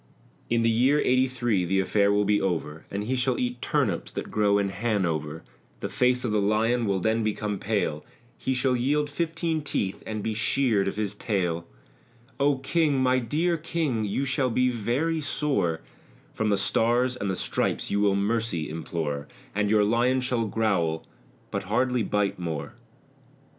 In the year eighty three, the affair will be over And he shall eat turnips that grow in Hanover; The face of the Lion will then become pale, He shall yield fifteen teeth and be sheared of his tail O King, my dear King, you shall be very sore, From the Stars and the Stripes you will mercy implore, And your Lion shall growl, but hardly bite more.